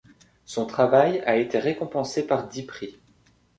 Son travail a été récompensé par dix prix.